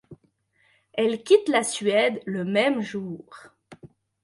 Elle quitte la Suède le même jour.